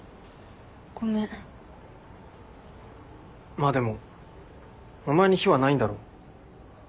まあでもお前に非はないんだろ？